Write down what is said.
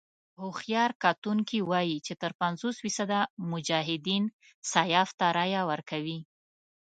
هوښیار کتونکي وايي چې تر پينځوس فيصده مجاهدين سیاف ته رايه ورکوي.